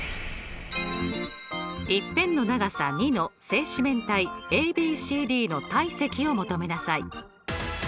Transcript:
１辺の長さ２の正四面体ＡＢＣＤの体積を求めなさい。